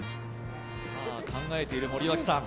考えている森脇さん。